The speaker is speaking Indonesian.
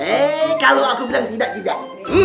hei kalau aku bilang tidak